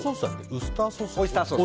ウスターソース？